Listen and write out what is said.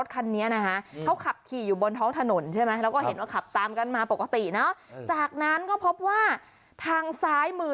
เขาขับขี่อยู่บนท้องถนนแล้วก็เห็นว่าขับตามมากับปกติจากนั้นก็พบว่าทางสาธิตมือ